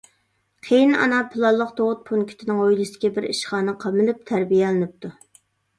قېيىنئانا پىلانلىق تۇغۇت پونكىتىنىڭ ھويلىسىدىكى بىر ئىشخانىغا قامىلىپ تەربىيەلىنىپتۇ.